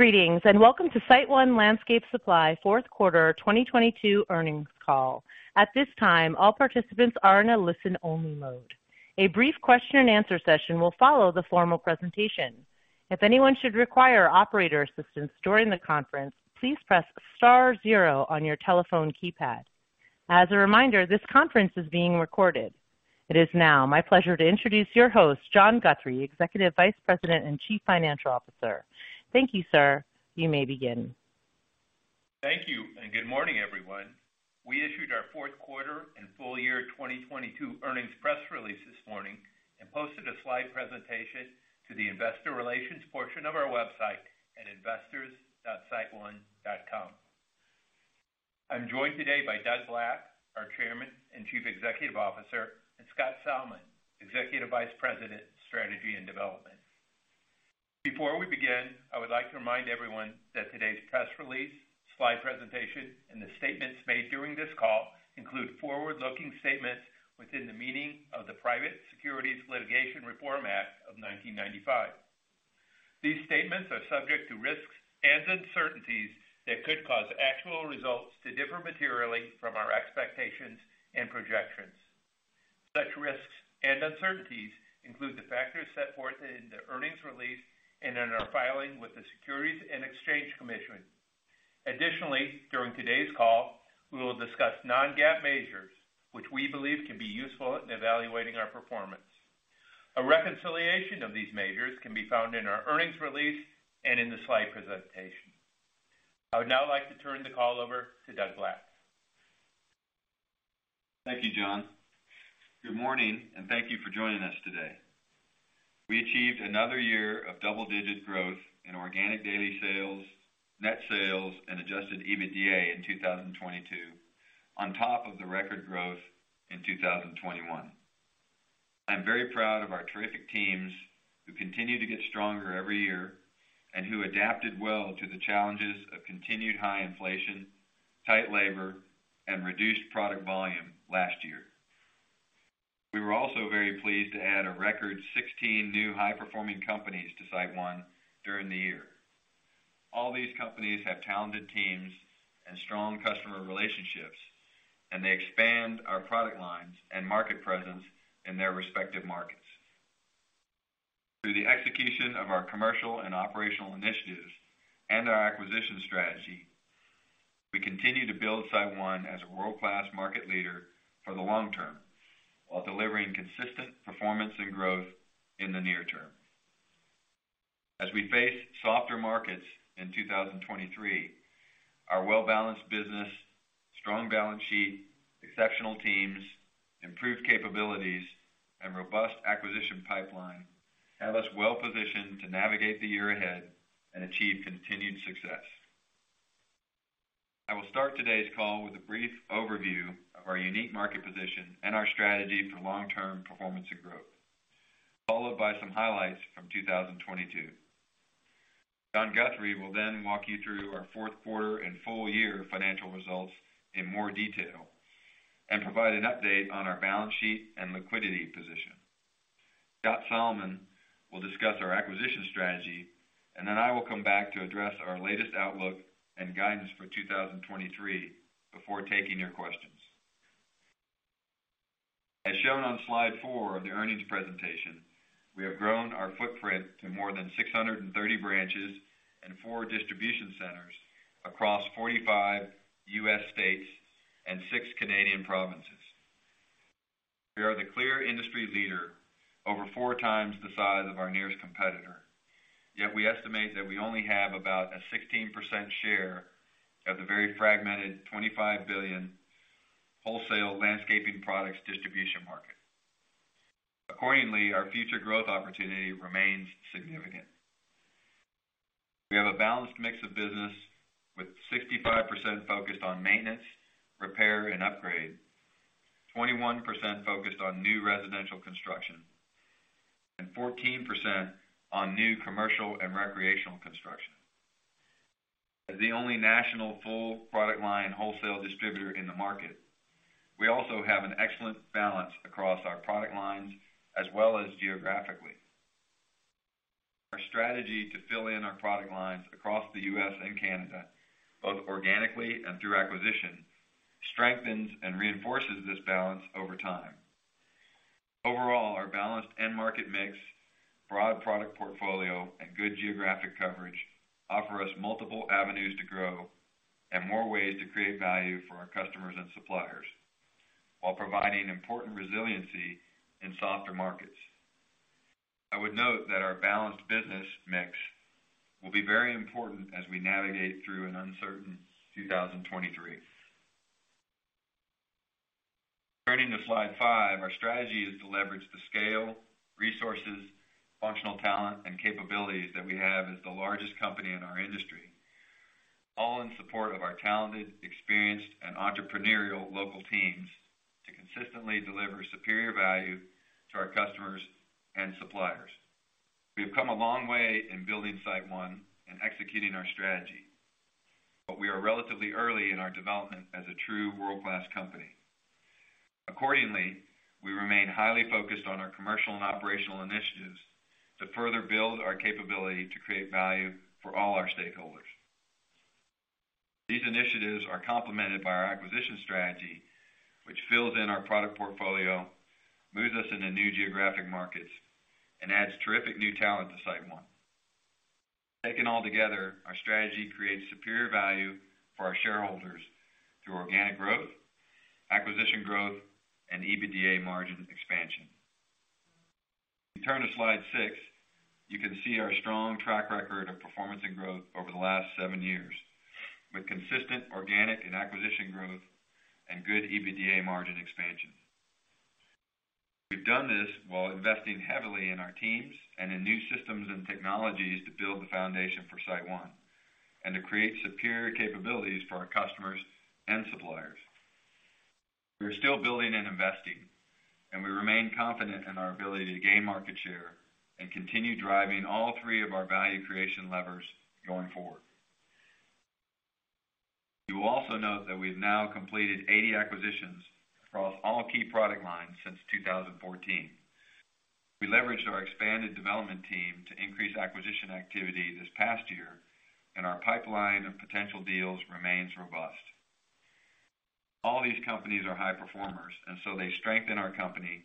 Greetings, and welcome to SiteOne Landscape Supply Fourth Quarter 2022 Earnings Call. At this time, all participants are in a listen-only mode. A brief question-and-answer session will follow the formal presentation. If anyone should require operator assistance during the conference, please press star zero on your telephone keypad. As a reminder, this conference is being recorded. It is now my pleasure to introduce your host, John Guthrie, Executive Vice President and Chief Financial Officer. Thank you, sir. You may begin. Thank you, and good morning, everyone. We issued our fourth quarter and full-year 2022 earnings press release this morning and posted a slide presentation to the Investor Relations portion of our website at investors.siteone.com. I'm joined today by Doug Black, our Chairman and Chief Executive Officer, and Scott Salmon, Executive Vice President, Strategy and Development. Before we begin, I would like to remind everyone that today's press release, slide presentation, and the statements made during this call include forward-looking statements within the meaning of the Private Securities Litigation Reform Act of 1995. These statements are subject to risks and uncertainties that could cause actual results to differ materially from our expectations and projections. Such risks and uncertainties include the factors set forth in the earnings release and in our filing with the Securities and Exchange Commission. During today's call, we will discuss non-GAAP measures which we believe can be useful in evaluating our performance. A reconciliation of these measures can be found in our earnings release and in the slide presentation. I would now like to turn the call over to Doug Black. Thank you, John. Good morning, thank you for joining us today. We achieved another year of double-digit growth in organic daily sales, net sales, and Adjusted EBITDA in 2022 on top of the record growth in 2021. I'm very proud of our terrific teams who continue to get stronger every year and who adapted well to the challenges of continued high inflation, tight labor, and reduced product volume last year. We were also very pleased to add a record 16 new high-performing companies to SiteOne during the year. All these companies have talented teams and strong customer relationships, they expand our product lines and market presence in their respective markets. Through the execution of our commercial and operational initiatives and our acquisition strategy, we continue to build SiteOne as a world-class market leader for the long term while delivering consistent performance and growth in the near term. As we face softer markets in 2023, our well-balanced business, strong balance sheet, exceptional teams, improved capabilities, and robust acquisition pipeline have us well positioned to navigate the year ahead and achieve continued success. I will start today's call with a brief overview of our unique market position and our strategy for long-term performance and growth, followed by some highlights from 2022. John Guthrie will walk you through our fourth quarter and full-year financial results in more detail and provide an update on our balance sheet and liquidity position. Scott Salmon will discuss our acquisition strategy, then I will come back to address our latest outlook and guidance for 2023 before taking your questions. As shown on slide four of the earnings presentation, we have grown our footprint to more than 630 branches and four distribution centers across 45 U.S. states and six Canadian provinces. We are the clear industry leader over 4x the size of our nearest competitor, yet we estimate that we only have about a 16% share of the very fragmented $25 billion wholesale Landscaping Products distribution market. Our future growth opportunity remains significant. We have a balanced mix of business, with 65% focused on maintenance, repair, and upgrade, 21% focused on new residential construction, and 14% on new commercial and recreational construction. As the only national full product line wholesale distributor in the market, we also have an excellent balance across our product lines as well as geographically. Our strategy to fill in our product lines across the U.S. and Canada, both organically and through acquisition, strengthens and reinforces this balance over time. Overall, our balanced end market mix, broad product portfolio, and good geographic coverage offer us multiple avenues to grow and more ways to create value for our customers and suppliers while providing important resiliency in softer markets. I would note that our balanced business mix will be very important as we navigate through an uncertain 2023. Turning to slide five, our strategy is to leverage the scale, resources, functional talent, and capabilities that we have as the largest company in our industry, all in support of our talented, experienced, and entrepreneurial local teams to consistently deliver superior value to our customers and suppliers. We have come a long way in building SiteOne and executing our strategy, but we are relatively early in our development as a true world-class company. Accordingly, we remain highly focused on our commercial and operational initiatives to further build our capability to create value for all our stakeholders. These initiatives are complemented by our acquisition strategy, which fills in our product portfolio, moves us into new geographic markets, and adds terrific new talent to SiteOne. Taken all together, our strategy creates superior value for our shareholders through organic growth, acquisition growth, and EBITDA margin expansion. If you turn to slide six, you can see our strong track record of performance and growth over the last seven years, with consistent organic and acquisition growth and good EBITDA margin expansion. We've done this while investing heavily in our teams and in new systems and technologies to build the foundation for SiteOne and to create superior capabilities for our customers and suppliers. We are still building and investing, and we remain confident in our ability to gain market share and continue driving all three of our value creation levers going forward. You will also note that we've now completed 80 acquisitions across all key product lines since 2014. We leveraged our expanded development team to increase acquisition activity this past year, and our pipeline of potential deals remains robust. All these companies are high performers, and so they strengthen our company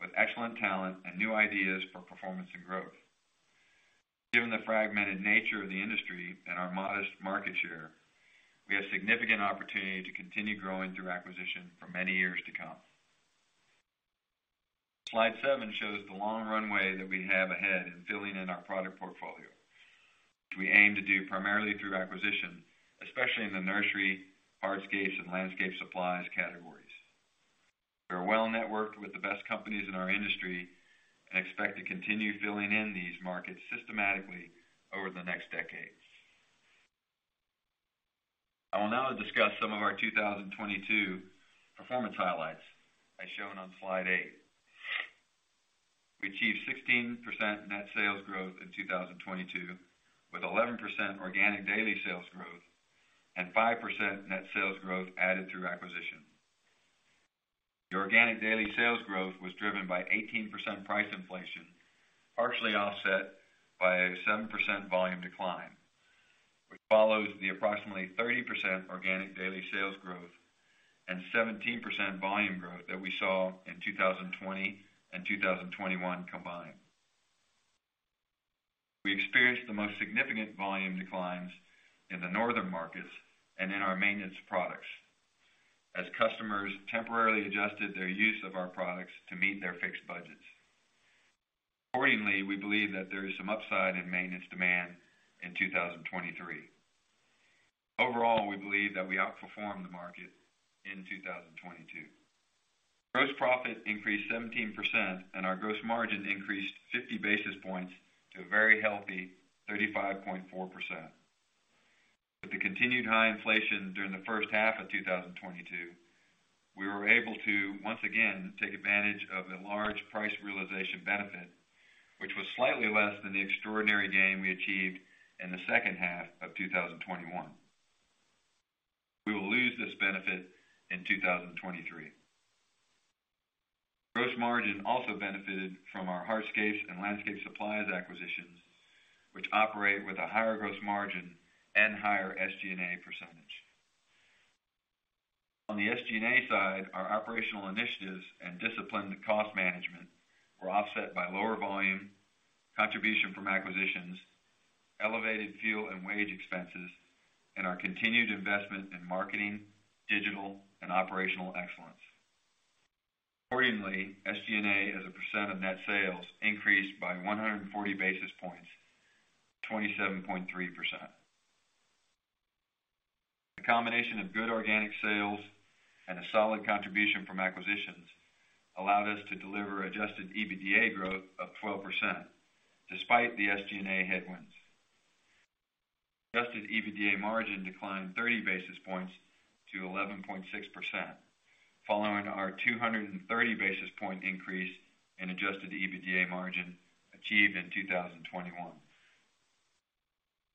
with excellent talent and new ideas for performance and growth. Given the fragmented nature of the industry and our modest market share, we have significant opportunity to continue growing through acquisition for many years to come. Slide seven shows the long runway that we have ahead in filling in our product portfolio, which we aim to do primarily through acquisition, especially in the nursery, hardscapes, and landscape supplies categories. We are well-networked with the best companies in our industry and expect to continue filling in these markets systematically over the next decade. I will now discuss some of our 2022 performance highlights, as shown on slide eight. We achieved 16% net sales growth in 2022, with 11% organic daily sales growth and 5% net sales growth added through acquisition. The organic daily sales growth was driven by 18% price inflation, partially offset by a 7% volume decline, which follows the approximately 30% organic daily sales growth and 17% volume growth that we saw in 2020 and 2021 combined. We experienced the most significant volume declines in the northern markets and in our maintenance products as customers temporarily adjusted their use of our products to meet their fixed budgets. Accordingly, we believe that there is some upside in maintenance demand in 2023. Overall, we believe that we outperformed the market in 2022. Gross profit increased 17% and our gross margin increased 50 basis points to a very healthy 35.4%. With the continued high inflation during the first half of 2022, we were able to once again take advantage of the large price realization benefit, which was slightly less than the extraordinary gain we achieved in the second half of 2021. We will lose this benefit in 2023. Gross margin also benefited from our hardscapes and landscape supplies acquisitions, which operate with a higher gross margin and higher SG&A percentage. On the SG&A side, our operational initiatives and disciplined cost management were offset by lower volume, contribution from acquisitions, elevated fuel and wage expenses, and our continued investment in marketing, digital, and operational excellence. Accordingly, SG&A as a % of net sales increased by 140 basis points to 27.3%. The combination of good organic sales and a solid contribution from acquisitions allowed us to deliver Adjusted EBITDA growth of 12% despite the SG&A headwinds. Adjusted EBITDA margin declined 30 basis points to 11.6% following our 230 basis point increase in Adjusted EBITDA margin achieved in 2021.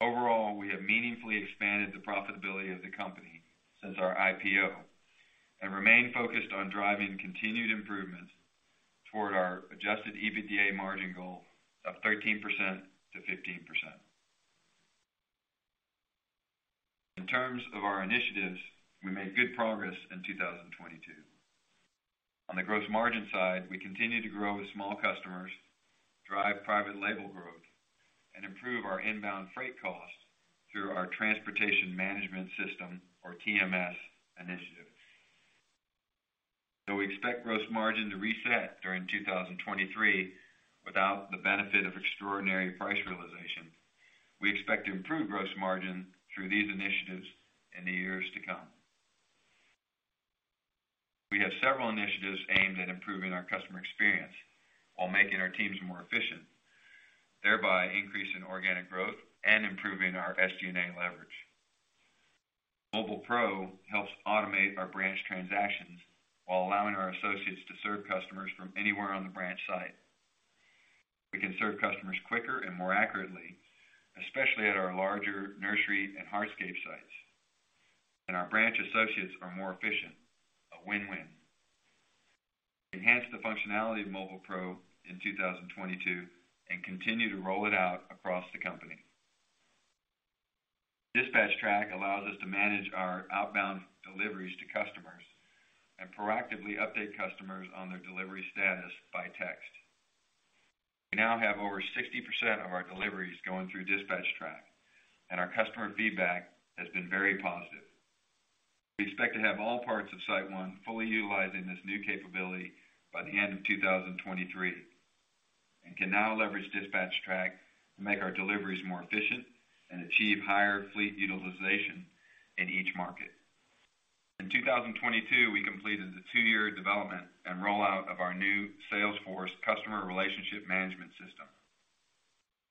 Overall, we have meaningfully expanded the profitability of the company since our IPO, and remain focused on driving continued improvements toward our Adjusted EBITDA margin goal of 13%-15%. In terms of our initiatives, we made good progress in 2022. On the gross margin side, we continue to grow with small customers, drive private label growth, and improve our inbound freight costs through our transportation management system or TMS initiative. Though we expect gross margin to reset during 2023 without the benefit of extraordinary price realization, we expect to improve gross margin through these initiatives in the years to come. We have several initiatives aimed at improving our customer experience while making our teams more efficient, thereby increasing organic growth and improving our SG&A leverage. Mobile PRO helps automate our branch transactions while allowing our associates to serve customers from anywhere on the branch site. We can serve customers quicker and more accurately, especially at our larger nursery and hardscape sites. Our branch associates are more efficient. A win-win. Enhance the functionality of Mobile PRO in 2022 and continue to roll it out across the company. DispatchTrack allows us to manage our outbound deliveries to customers and proactively update customers on their delivery status by text. We now have over 60% of our deliveries going through DispatchTrack, and our customer feedback has been very positive. We expect to have all parts of SiteOne fully utilizing this new capability by the end of 2023, and can now leverage DispatchTrack to make our deliveries more efficient and achieve higher fleet utilization in each market. In 2022, we completed the two-year development and rollout of our new Salesforce customer relationship management system,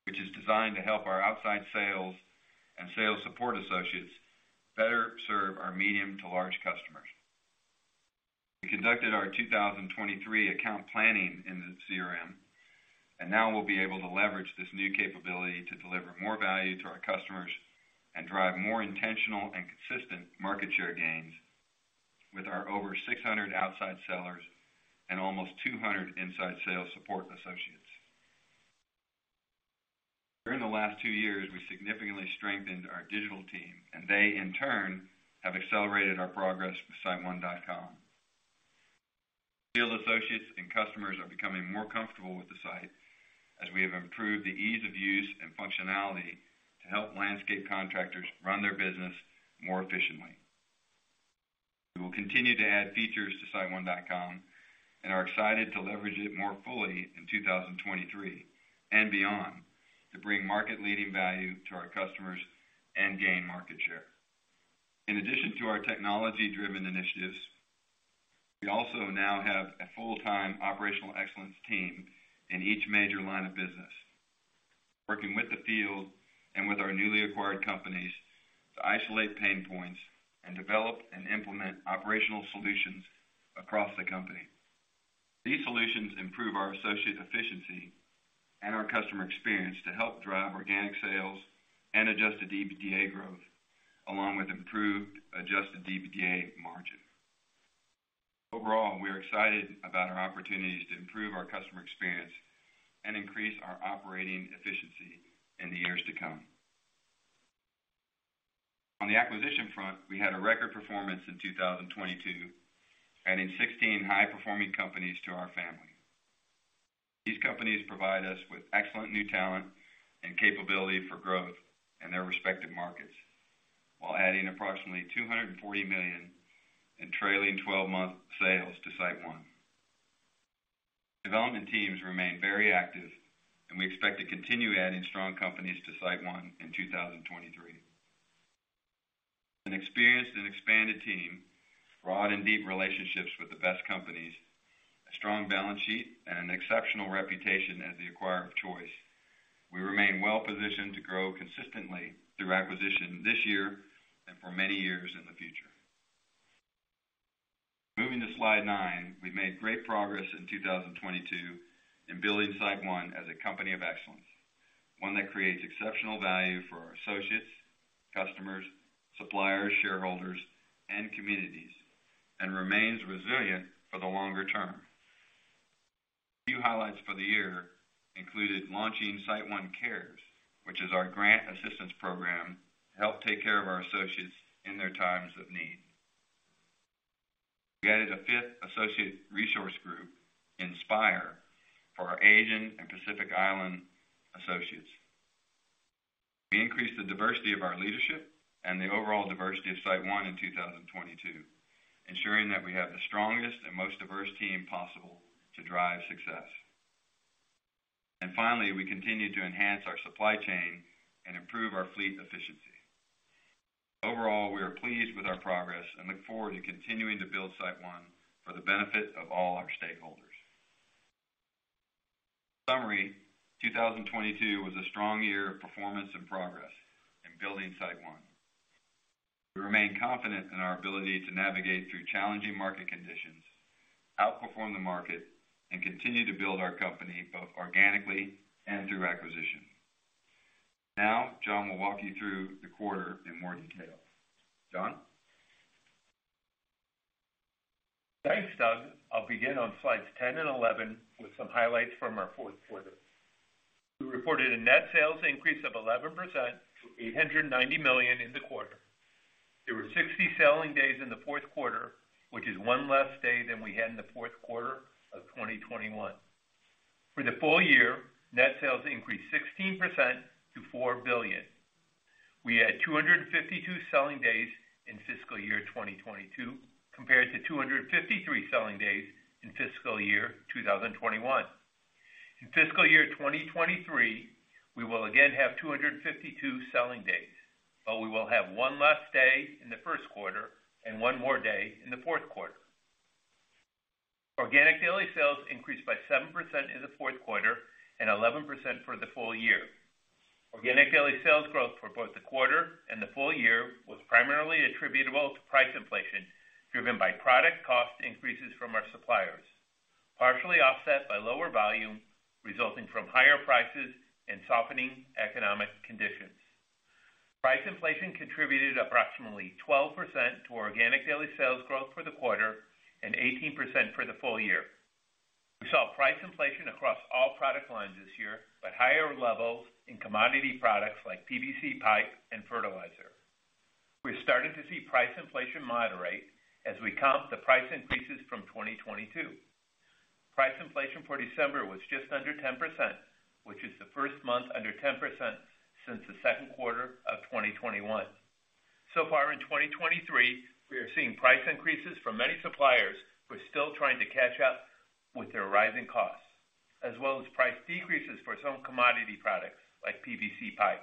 which is designed to help our outside sales and sales support associates better serve our medium to large customers. We conducted our 2023 account planning in the CRM. Now we'll be able to leverage this new capability to deliver more value to our customers and drive more intentional and consistent market share gains with our over 600 outside sellers and almost 200 inside sales support associates. During the last two years, we significantly strengthened our digital team. They in turn have accelerated our progress with SiteOne.com. Field associates and customers are becoming more comfortable with the site as we have improved the ease of use and functionality to help landscape contractors run their business more efficiently. We will continue to add features to SiteOne.com and are excited to leverage it more fully in 2023 and beyond to bring market-leading value to our customers and gain market share. In addition to our technology-driven initiatives, we also now have a full-time operational excellence team in each major line of business, working with the field and with our newly acquired companies to isolate pain points and develop and implement operational solutions across the company. These solutions improve our associate efficiency and our customer experience to help drive organic sales and Adjusted EBITDA growth, along with improved Adjusted EBITDA margin. Overall, we are excited about our opportunities to improve our customer experience and increase our operating efficiency in the years to come. On the acquisition front, we had a record performance in 2022, adding 16 high-performing companies to our family. These companies provide us with excellent new talent and capability for growth in their respective markets while adding approximately $240 million in trailing 12-month sales to SiteOne. Development teams remain very active, we expect to continue adding strong companies to SiteOne in 2023. An experienced and expanded team, broad and deep relationships with the best companies, a strong balance sheet, and an exceptional reputation as the acquirer of choice, we remain well positioned to grow consistently through acquisition this year and for many years in the future. Moving to slide nine. We've made great progress in 2022 in building SiteOne as a company of excellence, one that creates exceptional value for our associates, customers, suppliers, shareholders, and communities, and remains resilient for the longer term. A few highlights for the year included launching SiteOne CARES, which is our grant assistance program to help take care of our associates in their times of need. We added a fifth associate resource group, Inspire, for our Asian and Pacific Island associates. We increased the diversity of our leadership and the overall diversity of SiteOne in 2022, ensuring that we have the strongest and most diverse team possible to drive success. Finally, we continue to enhance our supply chain and improve our fleet efficiency. Overall, we are pleased with our progress and look forward to continuing to build SiteOne for the benefit of all our stakeholders. In summary, 2022 was a strong year of performance and progress in building SiteOne. We remain confident in our ability to navigate through challenging market conditions, outperform the market, and continue to build our company both organically and through acquisition. Now John will walk you through the quarter in more detail. John? Thanks, Doug. I'll begin on slides 10 and 11 with some highlights from our fourth quarter. We reported a net sales increase of 11% to $890 million in the quarter. There were 60 selling days in the fourth quarter, which is one less day than we had in the fourth quarter of 2021. For the full year, net sales increased 16% to $4 billion. We had 252 selling days in fiscal year 2022 compared to 253 selling days in fiscal year 2021. In fiscal year 2023, we will again have 252 selling days, but we will have one less day in the first quarter and one more day in the fourth quarter. Organic daily sales increased by 7% in the fourth quarter and 11% for the full year. Organic daily sales growth for both the quarter and the full year was primarily attributable to price inflation, driven by product cost increases from our suppliers, partially offset by lower volume resulting from higher prices and softening economic conditions. Price inflation contributed approximately 12% to Organic daily sales growth for the quarter and 18% for the full year. We saw price inflation across all product lines this year, but higher levels in commodity products like PVC pipe and fertilizer. We're starting to see price inflation moderate as we comp the price increases from 2022. Price inflation for December was just under 10%, which is the first month under 10% since the second quarter of 2021. Far in 2023, we are seeing price increases from many suppliers who are still trying to catch up with their rising costs, as well as price decreases for some commodity products like PVC pipe.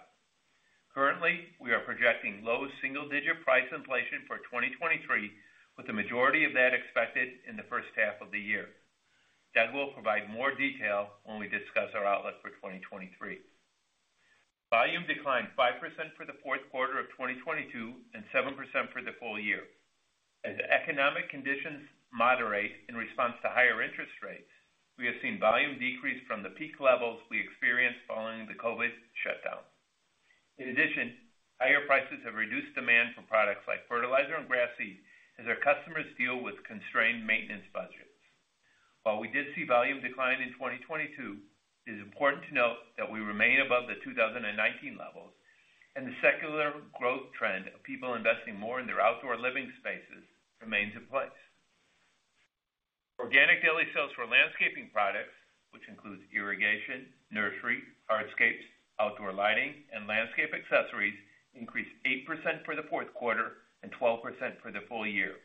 Currently, we are projecting low single-digit price inflation for 2023, with the majority of that expected in the first half of the year. Doug will provide more detail when we discuss our outlook for 2023. Volume declined 5% for the fourth quarter of 2022 and 7% for the full year. As economic conditions moderate in response to higher interest rates, we have seen volume decrease from the peak levels we experienced following the COVID shutdown. In addition, higher prices have reduced demand for products like fertilizer and grass seed as our customers deal with constrained maintenance budgets. While we did see volume decline in 2022, it is important to note that we remain above the 2019 levels, and the secular growth trend of people investing more in their outdoor living spaces remains in place. Organic daily sales for Landscaping Products, which includes Irrigation, Nursery, Hardscapes, Outdoor Lighting, and Landscape Accessories, increased 8% for the fourth quarter and 12% for the full year.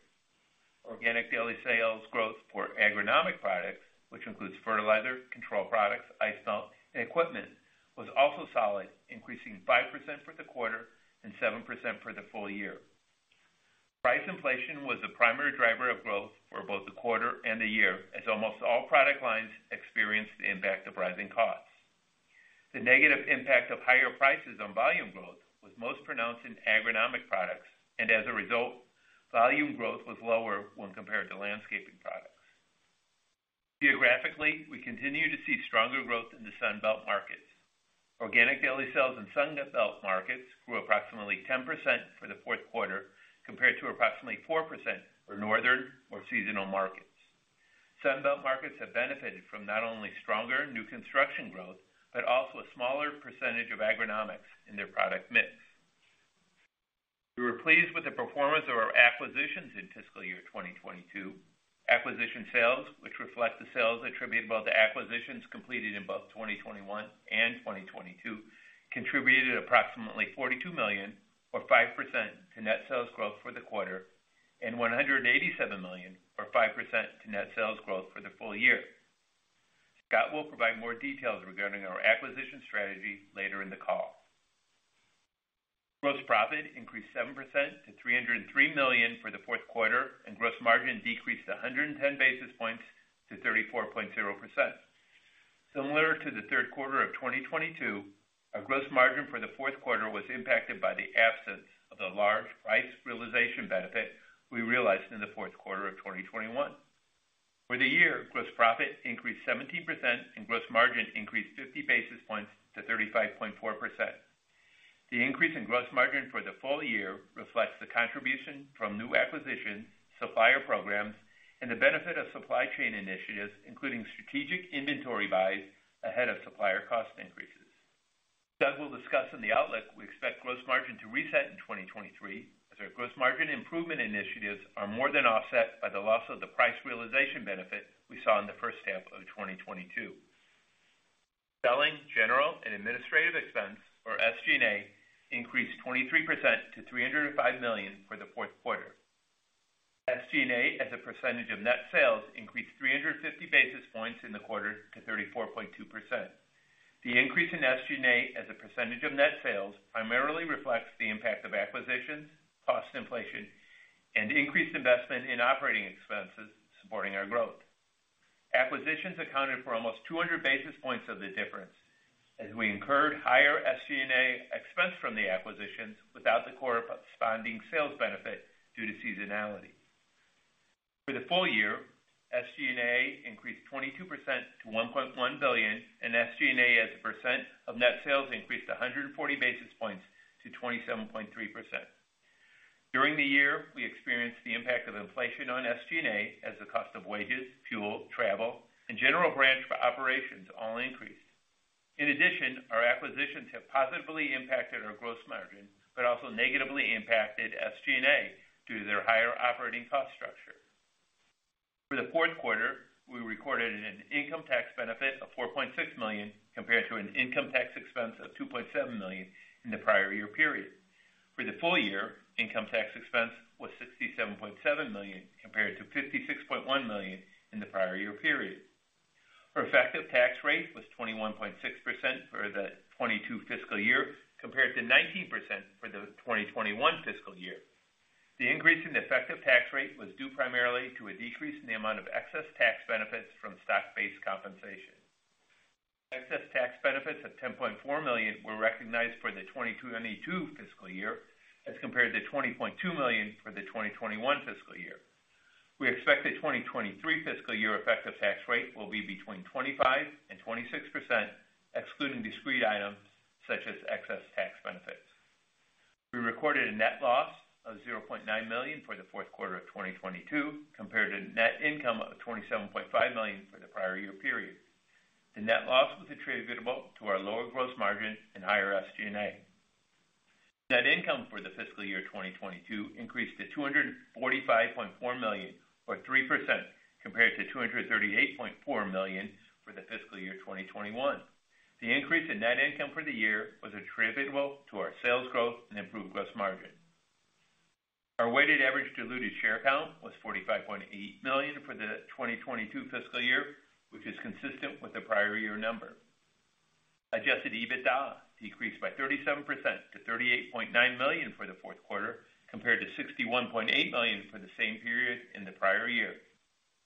Organic daily sales growth for Agronomic Products, which includes Fertilizer, Control Products, Ice Melt, and Equipment, was also solid, increasing 5% for the quarter and 7% for the full year. Price inflation was the primary driver of growth for both the quarter and the year, as almost all product lines experienced the impact of rising costs. The negative impact of higher prices on volume growth was most pronounced in Agronomic Products. As a result, volume growth was lower when compared to Landscaping Products. Geographically, we continue to see stronger growth in the Sun Belt markets. Organic daily sales in Sun Belt markets grew approximately 10% for the fourth quarter compared to approximately 4% for northern or seasonal markets. Sun Belt markets have benefited from not only stronger new construction growth, but also a smaller percentage of agronomics in their product mix. We were pleased with the performance of our acquisitions in fiscal year 2022. Acquisition sales, which reflect the sales attributable to acquisitions completed in both 2021 and 2022, contributed approximately $42 million, or 5% to net sales growth for the quarter, and $187 million, or 5% to net sales growth for the full year. Scott will provide more details regarding our acquisition strategy later in the call. Gross profit increased 7% to $303 million for the fourth quarter. Gross margin decreased 110 basis points to 34.0%. Similar to the third quarter of 2022, our gross margin for the fourth quarter was impacted by the absence of the large price realization benefit we realized in the fourth quarter of 2021. For the year, gross profit increased 17%. Gross margin increased 50 basis points to 35.4%. The increase in gross margin for the full year reflects the contribution from new acquisitions, supplier programs, and the benefit of supply chain initiatives, including strategic inventory buys ahead of supplier cost increases. Doug will discuss in the outlook we expect gross margin to reset in 2023 as our gross margin improvement initiatives are more than offset by the loss of the price realization benefit we saw in the first half of 2022. Selling, general and administrative expense, or SG&A, increased 23% to $305 million for the fourth quarter. SG&A, as a percentage of net sales, increased 350 basis points in the quarter to 34.2%. The increase in SG&A as a percentage of net sales primarily reflects the impact of acquisitions, cost inflation, and increased investment in operating expenses supporting our growth. Acquisitions accounted for almost 200 basis points of the difference as we incurred higher SG&A expense from the acquisitions without the corresponding sales benefit due to seasonality. For the full year, SG&A increased 22% to $1.1 billion, and SG&A, as a % of net sales, increased 140 basis points to 27.3%. During the year, we experienced the impact of inflation on SG&A as the cost of wages, fuel, travel, and general branch for operations all increased. In addition, our acquisitions have positively impacted our gross margin, but also negatively impacted SG&A due to their higher operating cost structure. For the fourth quarter, we recorded an income tax benefit of $4.6 million, compared to an income tax expense of $2.7 million in the prior year period. For the full year, income tax expense was $67.7 million, compared to $56.1 million in the prior year period. Our effective tax rate was 21.6% for the 2022 fiscal year, compared to 19% for the 2021 fiscal year. The increase in the effective tax rate was due primarily to a decrease in the amount of excess tax benefits from stock-based compensation. Excess tax benefits of $10.4 million were recognized for the 2022 fiscal year, as compared to $20.2 million for the 2021 fiscal year. We expect the 2023 fiscal year effective tax rate will be between 25% and 26%, excluding discrete items such as excess tax benefits. We recorded a net loss of $0.9 million for the fourth quarter of 2022, compared to net income of $27.5 million for the prior year period. The net loss was attributable to our lower gross margin and higher SG&A. Net income for the fiscal year 2022 increased to $245.4 million, or 3% compared to $238.4 million for the fiscal year 2021. The increase in net income for the year was attributable to our sales growth and improved gross margin. Our weighted average diluted share count was 45.8 million for the 2022 fiscal year, which is consistent with the prior year number. Adjusted EBITDA decreased by 37% to $38.9 million for the fourth quarter, compared to $61.8 million for the same period in the prior year.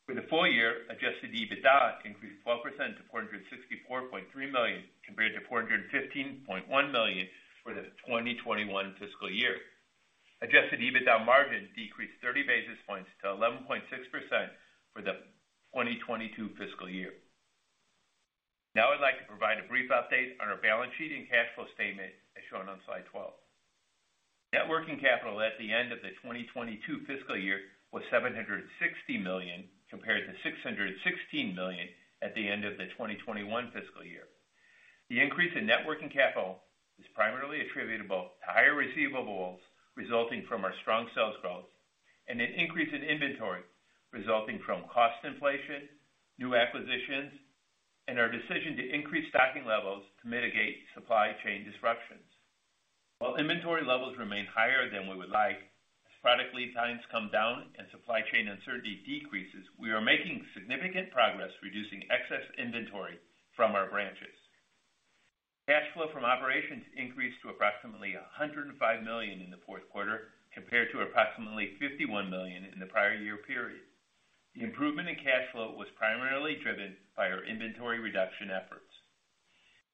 For the full year, Adjusted EBITDA increased 12% to $464.3 million, compared to $415.1 million for the 2021 fiscal year. Adjusted EBITDA margin decreased 30 basis points to 11.6% for the 2022 fiscal year. I'd like to provide a brief update on our balance sheet and cash flow statement, as shown on slide 12. Net working capital at the end of the 2022 fiscal year was $760 million, compared to $616 million at the end of the 2021 fiscal year. The increase in net working capital is primarily attributable to higher receivables resulting from our strong sales growth, and an increase in inventory resulting from cost inflation, new acquisitions, and our decision to increase stocking levels to mitigate supply chain disruptions. While inventory levels remain higher than we would like, as product lead times come down and supply chain uncertainty decreases, we are making significant progress reducing excess inventory from our branches. Cash flow from operations increased to approximately $105 million in the fourth quarter, compared to approximately $51 million in the prior year period. The improvement in cash flow was primarily driven by our inventory reduction efforts.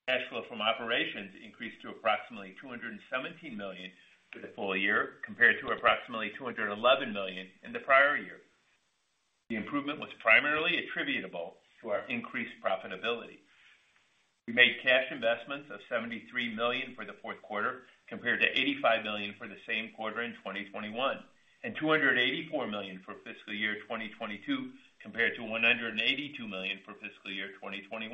Cash flow from operations increased to approximately $217 million for the full year, compared to approximately $211 million in the prior year. The improvement was primarily attributable to our increased profitability. We made cash investments of $73 million for the fourth quarter, compared to $85 million for the same quarter in 2021, and $284 million for fiscal year 2022, compared to $182 million for fiscal year 2021.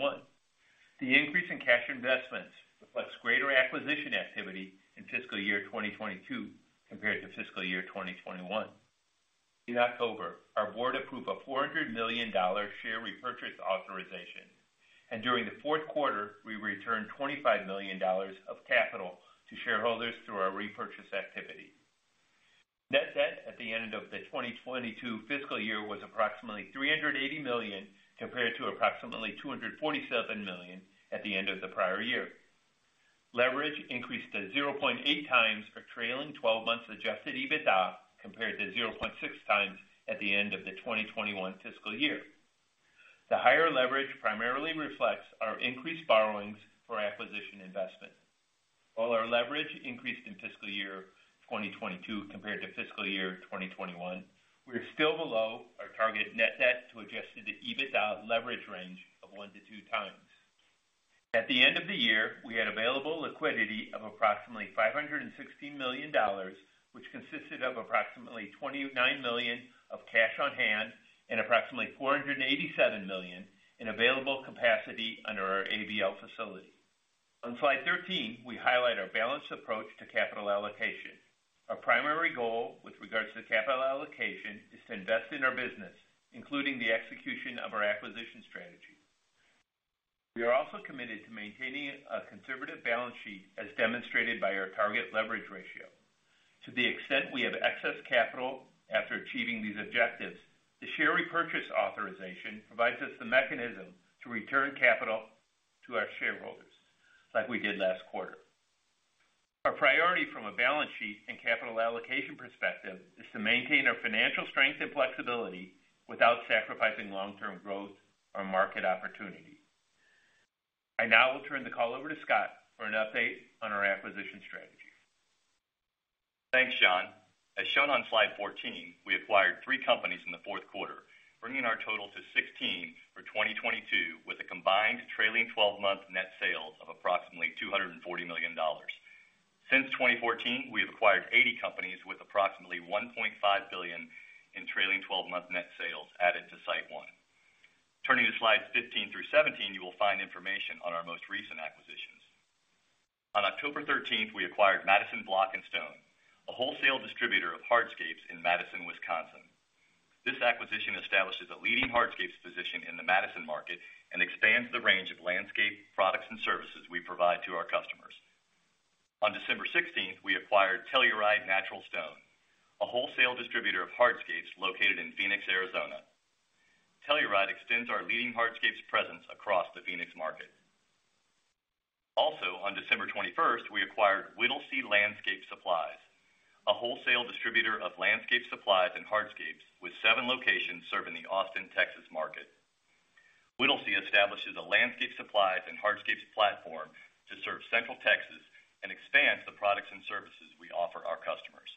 The increase in cash investments reflects greater acquisition activity in fiscal year 2022 compared to fiscal year 2021. In October, our board approved a $400 million share repurchase authorization. During the fourth quarter, we returned $25 million of capital to shareholders through our repurchase activity. Net debt at the end of the 2022 fiscal year was approximately $380 million, compared to approximately $247 million at the end of the prior year. Leverage increased to 0.8x our trailing twelve months Adjusted EBITDA, compared to 0.6 times at the end of the 2021 fiscal year. The higher leverage primarily reflects our increased borrowings for acquisition investment. While our leverage increased in fiscal year 2022 compared to fiscal year 2021, we are still below our targeted net debt to Adjusted EBITDA leverage range of 1x to 2x. At the end of the year, we had available liquidity of approximately $560 million, which consisted of approximately $29 million of cash on hand and approximately $487 million in available capacity under our ABL facility. On slide 13, we highlight our balanced approach to capital allocation. Our primary goal with regards to capital allocation is to invest in our business, including the execution of our acquisition strategy. We are also committed to maintaining a conservative balance sheet, as demonstrated by our target leverage ratio. To the extent we have excess capital after achieving these objectives, the share repurchase authorization provides us the mechanism to return capital to our shareholders like we did last quarter. Our priority from a balance sheet and capital allocation perspective is to maintain our financial strength and flexibility without sacrificing long-term growth or market opportunity. I now will turn the call over to Scott for an update on our acquisition strategy. Thanks, John. As shown on slide 14, we acquired three companies in the fourth quarter, bringing our total to 16 for 2022, with a combined trailing twelve-month net sales of approximately $240 million. Since 2014, we have acquired 80 companies with approximately $1.5 billion in trailing twelve-month net sales added to SiteOne. Turning to slides 15 through 17, you will find information on our most recent acquisitions. On October 13th, we acquired Madison Block & Stone, a wholesale distributor of hardscapes in Madison, Wisconsin. This acquisition establishes a leading hardscapes position in the Madison market and expands the range of landscape products and services we provide to our customers. On December 16th, we acquired Telluride Natural Stone, a wholesale distributor of hardscapes located in Phoenix, Arizona. Telluride extends our leading hardscapes presence across the Phoenix market. Also, on December 21st, we acquired Whittlesey Landscape Supplies, a wholesale distributor of landscape supplies and hardscapes with seven locations serving the Austin, Texas market. Whittlesey establishes a landscape supplies and hardscapes platform to serve Central Texas and expands the products and services we offer our customers.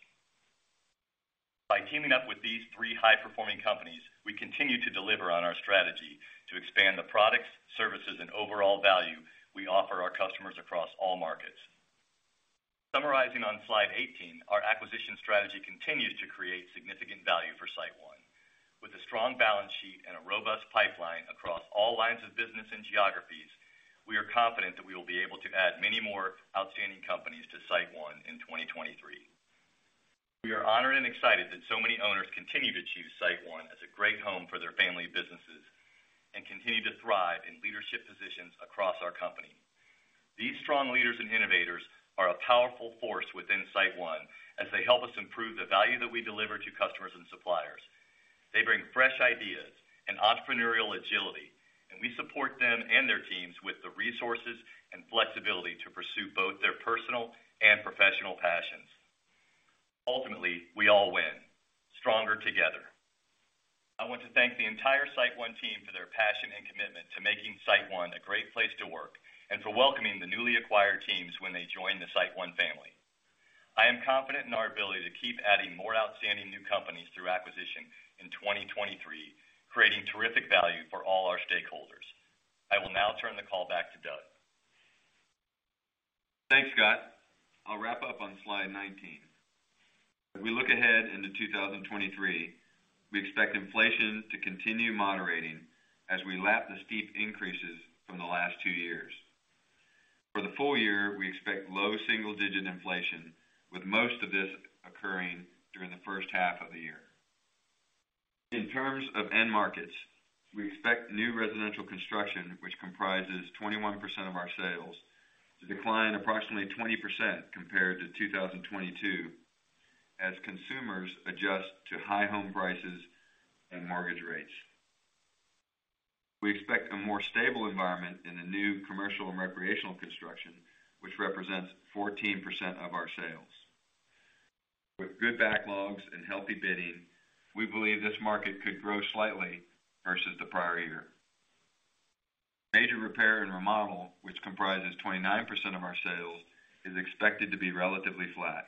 By teaming up with these three high-performing companies, we continue to deliver on our strategy to expand the products, services, and overall value we offer our customers across all markets. Summarizing on slide 18, our acquisition strategy continues to create significant value for SiteOne. With a strong balance sheet and a robust pipeline across all lines of business and geographies, we are confident that we will be able to add many more outstanding companies to SiteOne in 2023. We are honored and excited that so many owners continue to choose SiteOne as a great home for their family businesses and continue to thrive in leadership positions across our company. These strong leaders and innovators are a powerful force within SiteOne as they help us improve the value that we deliver to customers and suppliers. We support them and their teams with the resources and flexibility to pursue both their personal and professional passions. Ultimately, we all win stronger together. I want to thank the entire SiteOne team for their passion and commitment to making SiteOne a great place to work and for welcoming the newly acquired teams when they join the SiteOne family. I am confident in our ability to keep adding more outstanding new companies through acquisition in 2023, creating terrific value for all our stakeholders. I will now turn the call back to Doug. Thanks, Scott. I'll wrap up on slide 19. We look ahead into 2023, we expect inflation to continue moderating as we lap the steep increases from the last two years. For the full year, we expect low single-digit inflation, with most of this occurring during the first half of the year. In terms of end markets, we expect new residential construction, which comprises 21% of our sales, to decline approximately 20% compared to 2022 as consumers adjust to high home prices and mortgage rates. We expect a more stable environment in the new commercial and recreational construction, which represents 14% of our sales. Good backlogs and healthy bidding, we believe this market could grow slightly versus the prior year. Major repair and remodel, which comprises 29% of our sales, is expected to be relatively flat.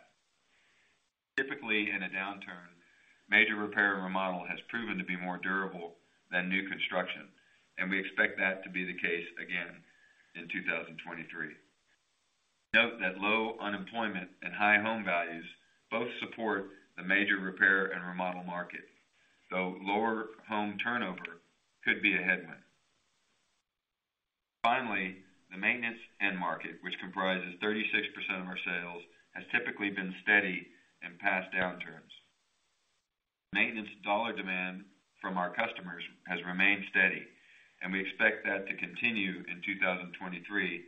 Typically, in a downturn, major repair and remodel has proven to be more durable than new construction, and we expect that to be the case again in 2023. Note that low unemployment and high home values both support the major repair and remodel market, though lower home turnover could be a headwind. The maintenance end market, which comprises 36% of our sales, has typically been steady in past downturns. Maintenance dollar demand from our customers has remained steady, and we expect that to continue in 2023,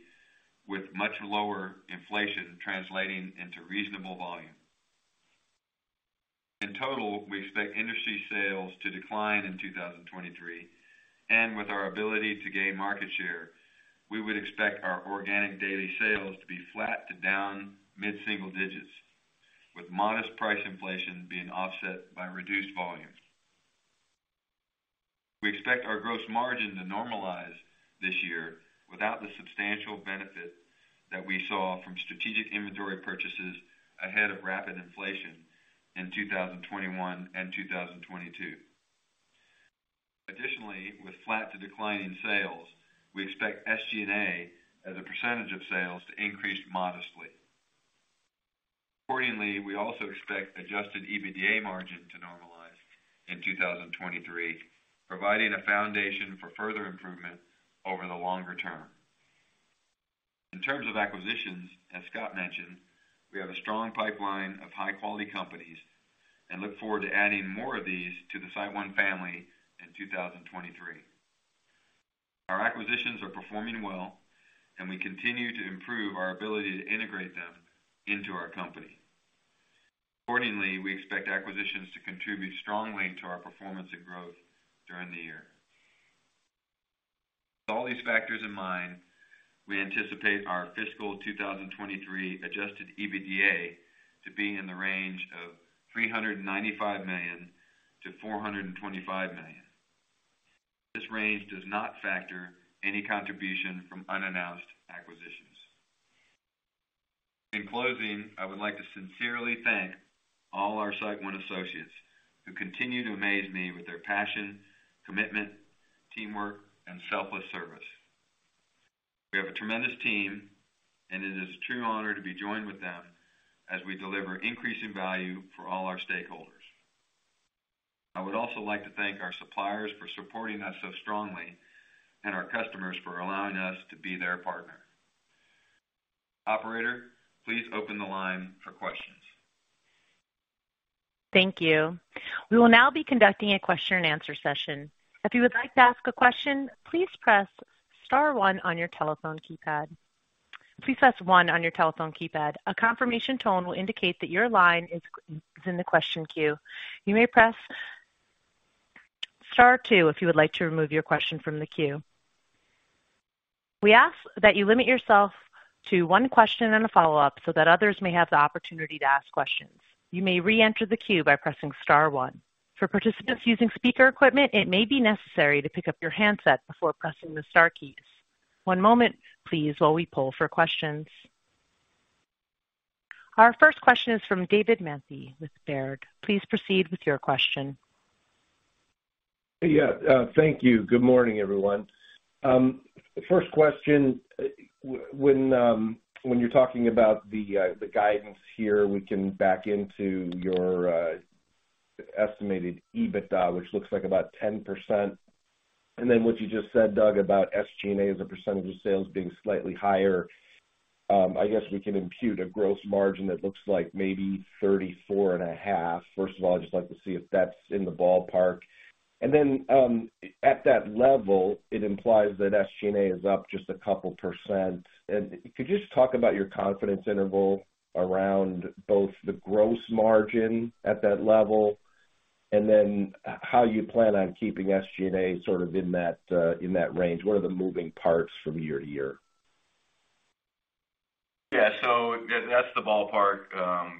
with much lower inflation translating into reasonable volume. In total, we expect industry sales to decline in 2023, and with our ability to gain market share, we would expect our organic daily sales to be flat to down mid-single digits, with modest price inflation being offset by reduced volume. We expect our gross margin to normalize this year without the substantial benefit that we saw from strategic inventory purchases ahead of rapid inflation in 2021 and 2022. Additionally, with flat to declining sales, we expect SG&A as a percentage of sales to increase modestly. Accordingly, we also expect Adjusted EBITDA margin to normalize in 2023, providing a foundation for further improvement over the longer term. In terms of acquisitions, as Scott mentioned, we have a strong pipeline of high-quality companies and look forward to adding more of these to the SiteOne family in 2023. Our acquisitions are performing well and we continue to improve our ability to integrate them into our company. Accordingly, we expect acquisitions to contribute strongly to our performance and growth during the year. With all these factors in mind, we anticipate our fiscal 2023 Adjusted EBITDA to be in the range of $395 million-$425 million. This range does not factor any contribution from unannounced acquisitions. In closing, I would like to sincerely thank all our SiteOne associates who continue to amaze me with their passion, commitment, teamwork, and selfless service. We have a tremendous team and it is a true honor to be joined with them as we deliver increasing value for all our stakeholders. I would also like to thank our suppliers for supporting us so strongly and our customers for allowing us to be their partner. Operator, please open the line for questions. Thank you. We will now be conducting a question-and-answer session. If you would like to ask a question, please press star one on your telephone keypad. Please press one on your telephone keypad. A confirmation tone will indicate that your line is in the question queue. You may press star two if you would like to remove your question from the queue. We ask that you limit yourself to one question and a follow-up so that others may have the opportunity to ask questions. You may re-enter the queue by pressing star one. For participants using speaker equipment, it may be necessary to pick up your handset before pressing the star keys. One moment please while we poll for questions. Our first question is from David Manthey with Baird. Please proceed with your question. Yeah. Thank you. Good morning, everyone. First question. When you're talking about the guidance here, we can back into your estimated EBITDA, which looks like about 10%. Then what you just said, Doug, about SG&A as a percentage of sales being slightly higher, I guess we can impute a gross margin that looks like maybe 34.5%. First of all, I'd just like to see if that's in the ballpark. Then, at that level, it implies that SG&A is up just a couple percent. Could you just talk about your confidence interval around both the gross margin at that level and then how you plan on keeping SG&A sort of in that range? What are the moving parts from year to year? That's the ballpark.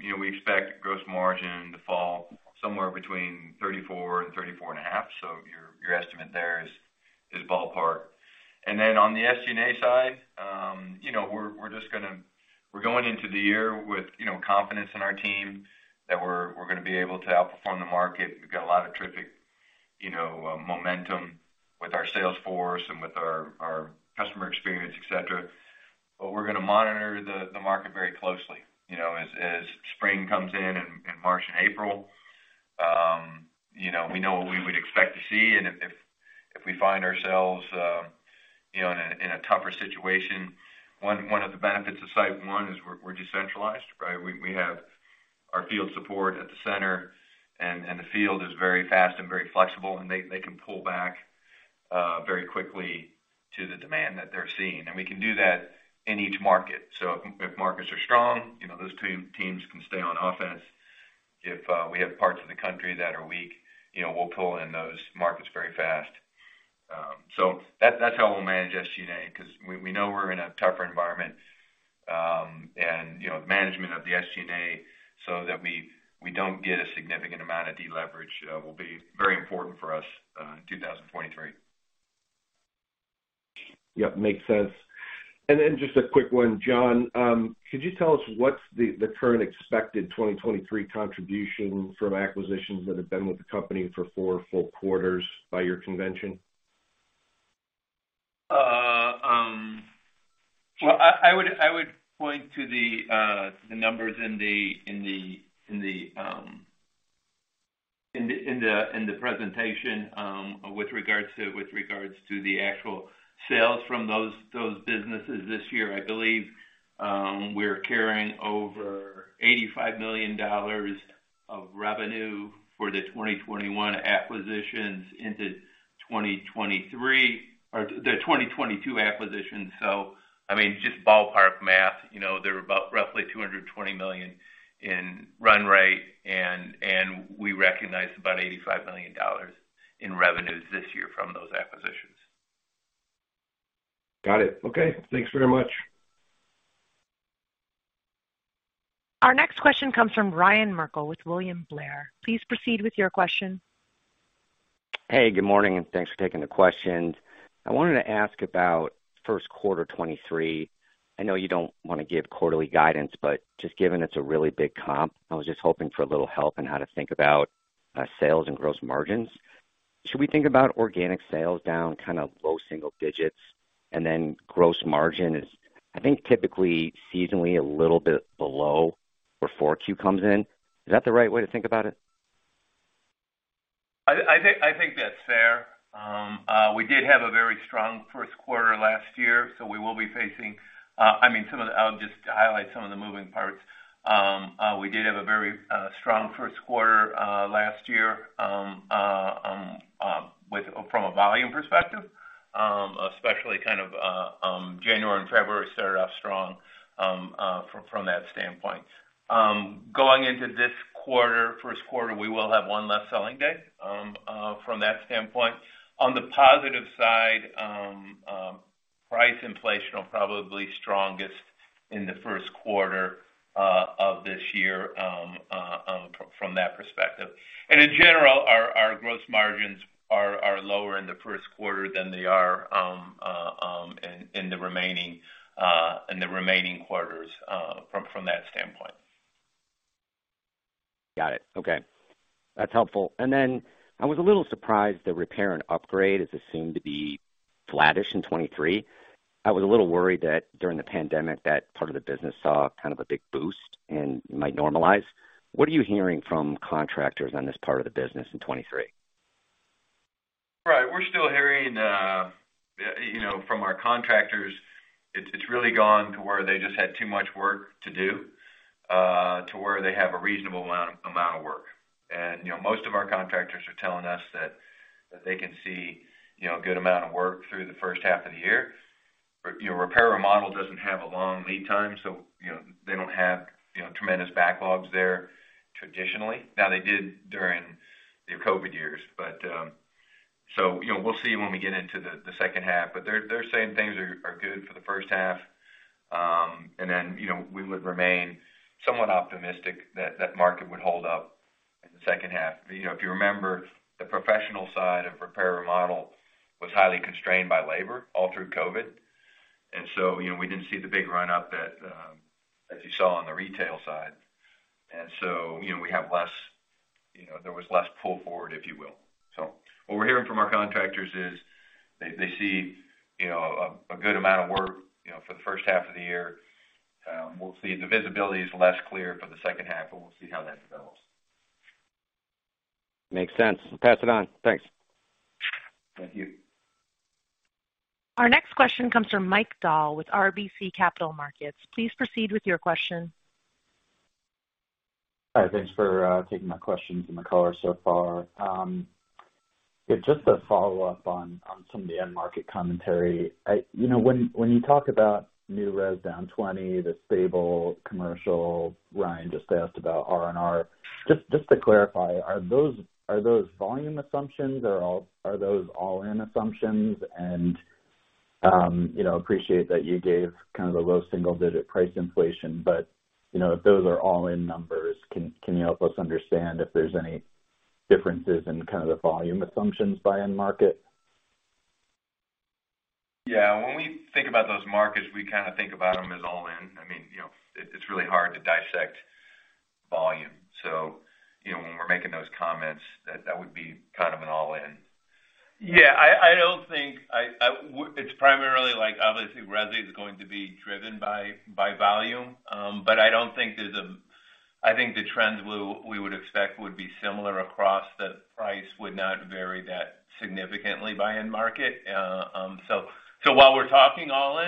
You know, we expect gross margin to fall somewhere between 34% and 34.5%. Your estimate there is ballpark. On the SG&A side, you know, we're going into the year with, you know, confidence in our team that we're gonna be able to outperform the market. We've got a lot of terrific, you know, momentum with our sales force and with our customer experience, et cetera. We're gonna monitor the market very closely, you know, as spring comes in March and April. You know, we know what we would expect to see. If we find ourselves, you know, in a tougher situation, one of the benefits of SiteOne is we're decentralized, right? We have our field support at the center, and the field is very fast and very flexible, and they can pull back, very quickly to the demand that they're seeing. We can do that in each market. If markets are strong, you know, those teams can stay on offense. If we have parts of the country that are weak, you know, we'll pull in those markets very fast. That's how we'll manage SG&A 'cause we know we're in a tougher environment, and, you know, management of the SG&A so that we don't get a significant amount of deleverage, will be very important for us in 2023. Yep, makes sense. Just a quick one, John. Could you tell us what's the current expected 2023 contribution from acquisitions that have been with the company for four full quarters by your convention? Well, I would point to the numbers in the presentation with regards to the actual sales from those businesses this year. I believe, we're carrying over $85 million of revenue for the 2021 acquisitions into 2023 or the 2022 acquisitions. I mean, just ballpark math, you know, they're about roughly $220 million in run rate, and we recognized about $85 million in revenues this year from those acquisitions. Got it. Okay. Thanks very much. Our next question comes from Ryan Merkel with William Blair. Please proceed with your question. Hey, good morning. Thanks for taking the questions. I wanted to ask about first quarter 2023. I know you don't want to give quarterly guidance. Just given it's a really big comp, I was just hoping for a little help in how to think about sales and gross margins. Should we think about organic sales down kind of low single digits and then gross margin is, I think, typically seasonally a little bit below where 4Q comes in? Is that the right way to think about it? I think that's fair. We did have a very strong first quarter last year, so we will be facing. I mean, I'll just highlight some of the moving parts. We did have a very strong first quarter last year, from a volume perspective, especially kind of January and February started off strong, from that standpoint. Going into this quarter, first quarter, we will have one less selling day, from that standpoint. On the positive side, price inflation will probably strongest in the first quarter of this year, from that perspective. In general, our gross margins are lower in the first quarter than they are in the remaining quarters from that standpoint. Got it. Okay. That's helpful. I was a little surprised that Repair and Upgrade is assumed to be flattish in 2023. I was a little worried that during the pandemic, that part of the business saw kind of a big boost and might normalize. What are you hearing from contractors on this part of the business in 2023? Right. We're still hearing, you know, from our contractors, it's really gone to where they just had too much work to do, to where they have a reasonable amount of work. You know, most of our contractors are telling us that they can see, you know, a good amount of work through the first half of the year. You know, repair or model doesn't have a long lead time, so, you know, they don't have, you know, tremendous backlogs there traditionally. Now, they did during the COVID years. You know, we'll see when we get into the second half, but they're saying things are good for the first half. You know, we would remain somewhat optimistic that market would hold up in the second half. You know, if you remember, the professional side of repair or model was highly constrained by labor all through COVID. You know, we didn't see the big run up that as you saw on the retail side. You know, we have less, you know, there was less pull forward, if you will. What we're hearing from our contractors is they see, you know, a good amount of work, you know, for the first half of the year. We'll see. The visibility is less clear for the second half, but we'll see how that develops. Makes sense. Pass it on. Thanks. Thank you. Our next question comes from Mike Dahl with RBC Capital Markets. Please proceed with your question. Hi. Thanks for taking my questions and the color so far. Yeah, just a follow-up on some of the end market commentary. You know, when you talk about new res down 20, the stable commercial Ryan just asked about R&R. Just to clarify, are those volume assumptions, or are those all-in assumptions? You know, appreciate that you gave kind of a low single-digit price inflation. You know, if those are all-in numbers, can you help us understand if there's any differences in kind of the volume assumptions by end market? Yeah. When we think about those markets, we kind of think about them as all in. I mean, you know, it's really hard to dissect volume. You know, when we're making those comments, that would be kind of an all in. Yeah. It's primarily like, obviously, resi is going to be driven by volume. I think the trends we would expect would be similar across, the price would not vary that significantly by end market. So while we're talking all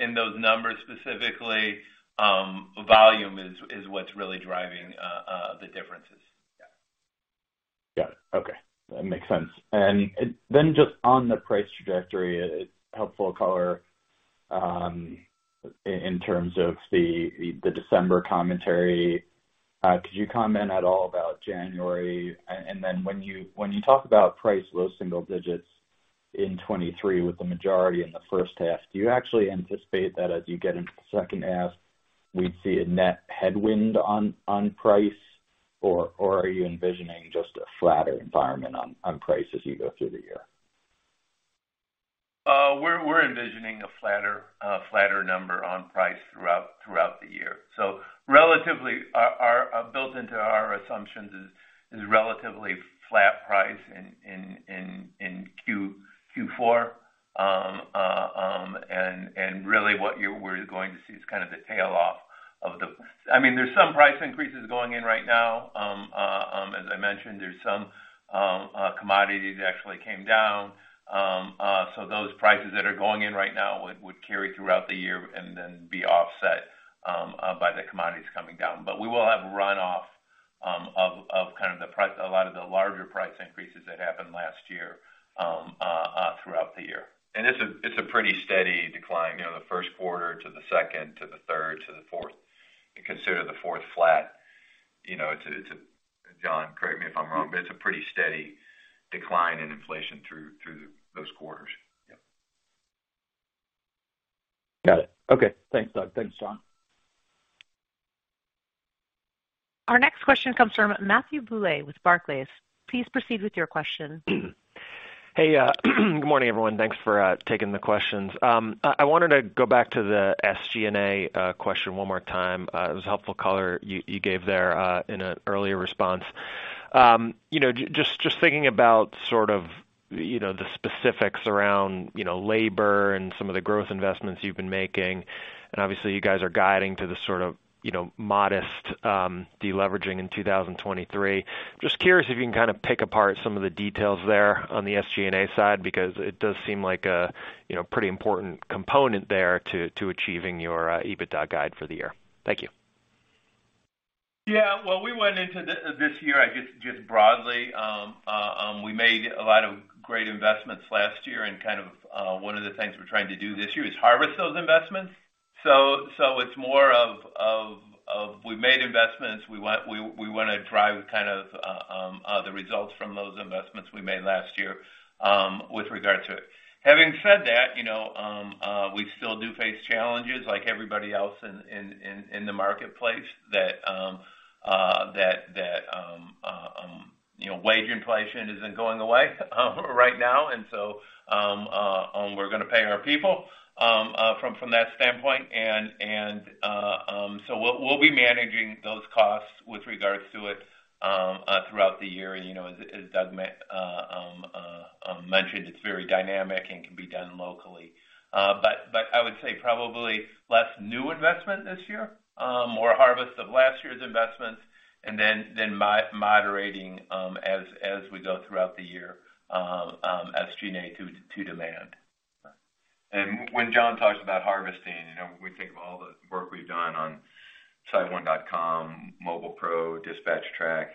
in those numbers specifically, volume is what's really driving, the differences. Yeah. Got it. Okay. That makes sense. Then just on the price trajectory, helpful color, in terms of the December commentary. Could you comment at all about January? Then when you talk about price, low single digits in 2023 with the majority in the first half, do you actually anticipate that as you get into the second half, we'd see a net headwind on price? Or are you envisioning just a flatter environment on price as you go through the year? We're envisioning a flatter number on price throughout the year. Relatively, our built into our assumptions is relatively flat price in Q4. Really what we're going to see is kind of the tail off of the... I mean, there's some price increases going in right now. As I mentioned, there's some commodities actually came down. Those prices that are going in right now would carry throughout the year and then be offset by the commodities coming down. We will have runoff of kind of the pri... A lot of the larger price increases that happened last year throughout the year. It's a pretty steady decline, you know, the first quarter to the second to the third to the fourth. Consider the fourth flat. You know, John, correct me if I'm wrong, but it's a pretty steady decline in inflation through those quarters. Yeah. Got it. Okay. Thanks, Doug. Thanks, John. Our next question comes from Matthew Bouley with Barclays. Please proceed with your question. Good morning, everyone. Thanks for taking the questions. I wanted to go back to the SG&A question one more time. It was a helpful color you gave there in an earlier response. You know, just thinking about sort of, you know, the specifics around, you know, labor and some of the growth investments you've been making, and obviously you guys are guiding to the sort of, you know, modest deleveraging in 2023. Just curious if you can kind of pick apart some of the details there on the SG&A side, because it does seem like a, you know, pretty important component there to achieving your EBITDA guide for the year. Thank you. Well, we went into this year, I guess, just broadly. We made a lot of great investments last year, and kind of, one of the things we're trying to do this year is harvest those investments. So, it's more of we made investments. We wanna drive kind of, the results from those investments we made last year, with regard to it. Having said that, you know, we still do face challenges like everybody else in the marketplace that, you know, wage inflation isn't going away right now. So, we're gonna pay our people from that standpoint. We'll be managing those costs with regards to it throughout the year. You know, as Doug mentioned, it's very dynamic and can be done locally. I would say probably less new investment this year, more harvest of last year's investments and then moderating as we go throughout the year SG&A to demand. When John talks about harvesting, you know, we think of all the work we've done on siteone.com, Mobile PRO, DispatchTrack.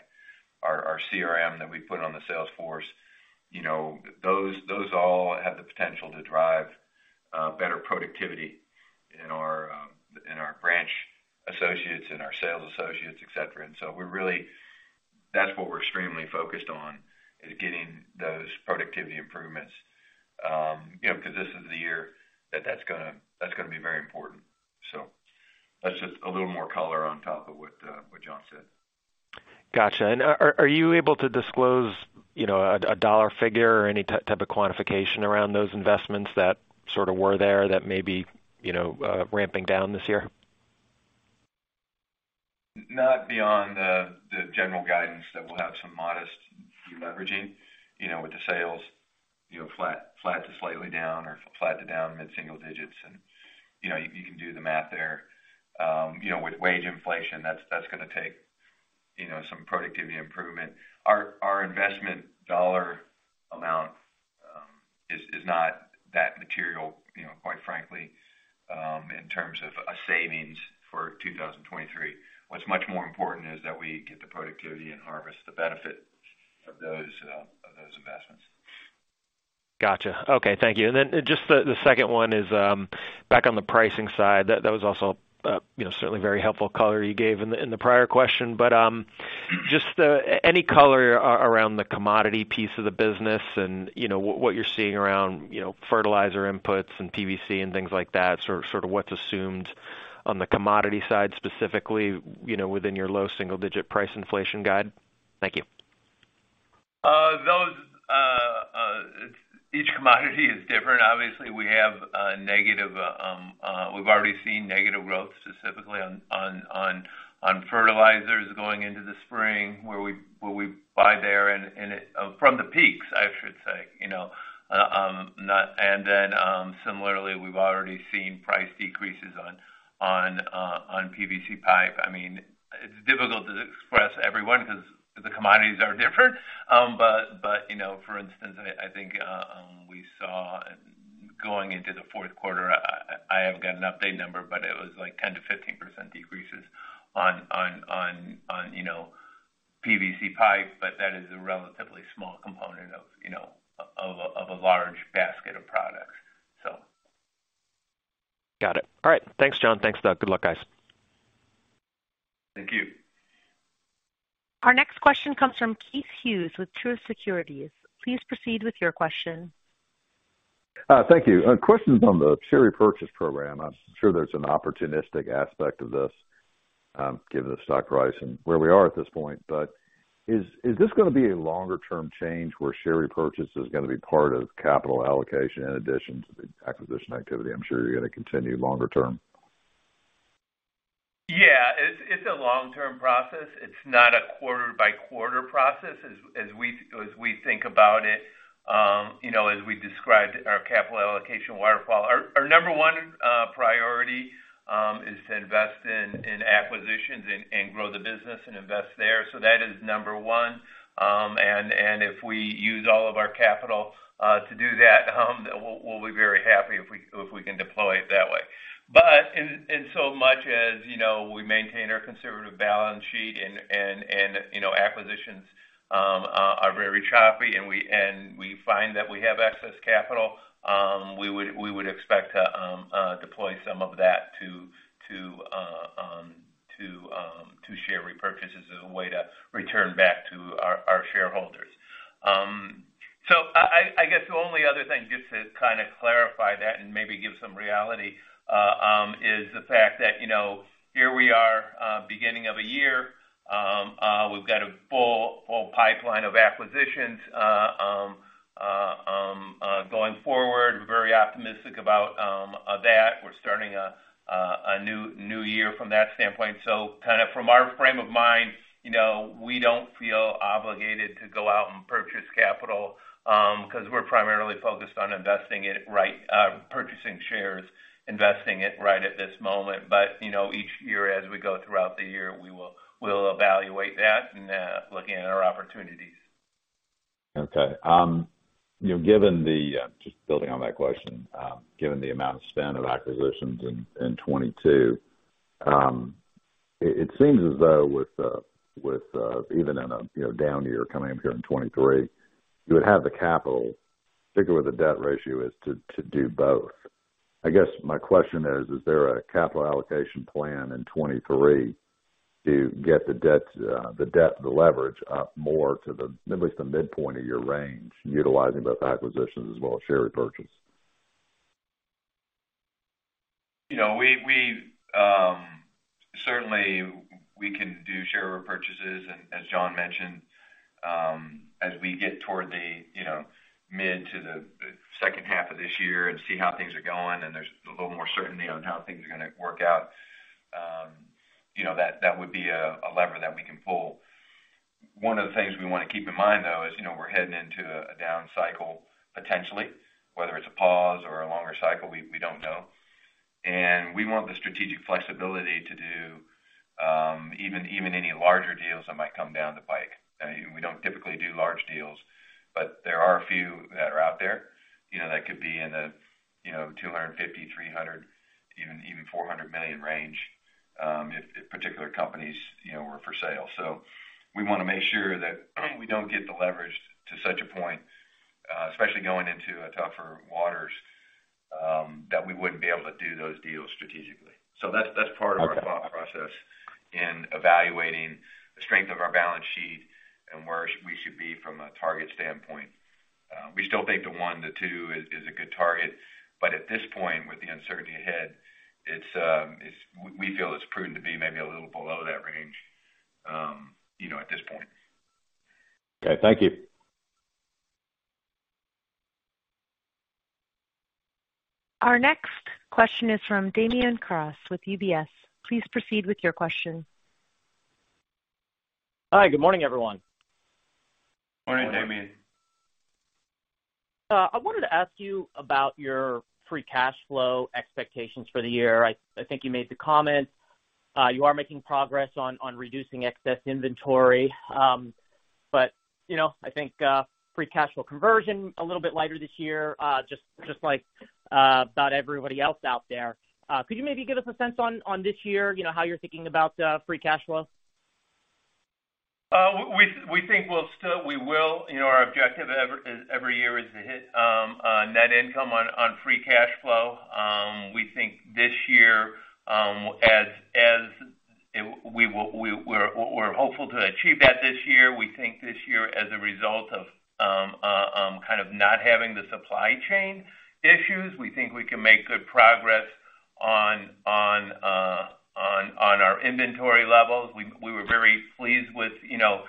Our CRM that we put on the Salesforce, you know, those all have the potential to drive better productivity in our branch associates and our sales associates, et cetera. That's what we're extremely focused on, is getting those productivity improvements, you know, 'cause this is the year that that's gonna be very important. That's just a little more color on top of what John said. Gotcha. Are you able to disclose, you know, a dollar figure or any type of quantification around those investments that sort of were there that may be, you know, ramping down this year? Not beyond the general guidance that we'll have some modest deleveraging, you know, with the sales, you know, flat to slightly down or flat to down mid-single digits. You know, you can do the math there. You know, with wage inflation, that's gonna take, you know, some productivity improvement. Our investment dollar amount, is not that material, you know, quite frankly, in terms of a savings for 2023. What's much more important is that we get the productivity and harvest the benefit of those, of those investments. Gotcha. Okay, thank you. Then just the second one is, back on the pricing side. That was also, you know, certainly very helpful color you gave in the prior question. Just, any color around the commodity piece of the business and, you know, what you're seeing around, you know, fertilizer inputs and PVC and things like that, sort of what's assumed on the commodity side, specifically, you know, within your low single digit price inflation guide? Thank you. Those. Each commodity is different. Obviously, we have negative we've already seen negative growth specifically on fertilizers going into the spring where we buy there, and From the peaks, I should say, you know, Similarly, we've already seen price decreases on PVC pipe. I mean, it's difficult to express every one 'cause the commodities are different. You know, for instance, I think we saw going into the fourth quarter, I haven't got an updated number, but it was like 10%-15% decreases on, you know, PVC pipe. That is a relatively small component of, you know, of a, of a large basket of products, so. Got it. All right. Thanks, John. Thanks, Doug. Good luck, guys. Thank you. Our next question comes from Keith Hughes with Truist Securities. Please proceed with your question. Thank you. A question on the share repurchase program. I'm sure there's an opportunistic aspect of this, given the stock price and where we are at this point. Is this gonna be a longer term change where share repurchase is gonna be part of capital allocation in addition to the acquisition activity? I'm sure you're gonna continue longer term. Yeah, it's a long-term process. It's not a quarter-by-quarter process as we think about it, you know, as we described our capital allocation waterfall. Our number one priority is to invest in acquisitions and grow the business and invest there. That is number one. If we use all of our capital to do that, we'll be very happy if we can deploy it that way. In so much as, you know, we maintain our conservative balance sheet and, you know, acquisitions are very choppy and we, and we find that we have excess capital, we would expect to deploy some of that to share repurchases as a way to return back to our shareholders. I guess the only other thing, just to kind of clarify that and maybe give some reality, is the fact that, you know, here we are, beginning of a year, we've got a full pipeline of acquisitions going forward. Very optimistic about that. We're starting a new year from that standpoint. Kinda from our frame of mind, you know, we don't feel obligated to go out and purchase capital, because we're primarily focused on investing it right, purchasing shares, investing it right at this moment. You know, each year as we go throughout the year, we'll evaluate that and, looking at our opportunities. Okay, you know, given the just building on that question, given the amount of spend of acquisitions in 2022, it seems as though with even in a, you know, down year coming up here in 2023, you would have the capital, particularly with the debt ratio, is to do both. I guess my question is there a capital allocation plan in 2023 to get the debt, the leverage up more to the at least the midpoint of your range, utilizing both acquisitions as well as share repurchase? You know, we certainly can do share repurchases. As John mentioned, as we get toward the, you know, mid to the second half of this year and see how things are going and there's a little more certainty on how things are gonna work out, you know, that would be a lever that we can pull. One of the things we wanna keep in mind, though, is, you know, we're heading into a down cycle, potentially. Whether it's a pause or a longer cycle, we don't know. We want the strategic flexibility to do, even any larger deals that might come down the pike. I mean, we don't typically do large deals. There are a few that are out there, you know, that could be in the, you know, $250 million, $300 million, even $400 million range if particular companies, you know, were for sale. We wanna make sure that we don't get the leverage to such a point especially going into tougher waters that we wouldn't be able to do those deals strategically. That's part of our thought process in evaluating the strength of our balance sheet and where we should be from a target standpoint. We still think the one to two is a good target. At this point, with the uncertainty ahead, it's we feel it's prudent to be maybe a little below that range, you know, at this point. Okay. Thank you. Our next question is from Damian Karas with UBS. Please proceed with your question. Hi, good morning, everyone. Morning, Damian. Morning. I wanted to ask you about your free cash flow expectations for the year. I think you made the comment, you are making progress on reducing excess inventory. You know, I think, free cash flow conversion a little bit lighter this year, just like, about everybody else out there. Could you maybe give us a sense on this year, you know, how you're thinking about, free cash flow? We think we'll still. We will. You know, our objective every year is to hit net income on free cash flow. We think this year we're hopeful to achieve that this year. We think this year, as a result of kind of not having the supply chain issues, we think we can make good progress on our inventory levels. We were very pleased with, you know,